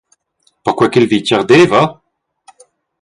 «Perquei ch’il vitg ardeva?»